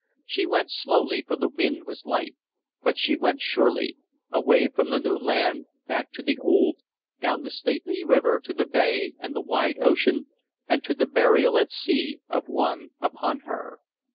She went slowly, for the wind was light, but she went surely, away from the new land back to the old, down the stately river to the bay and the wide ocean, and to the burial at sea of one upon her.